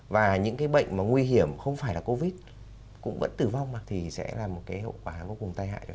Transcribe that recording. và những cái bệnh mà nguy hiểm không phải là covid cũng vẫn tử vong mà thì sẽ là một cái hậu quả vô cùng tai hại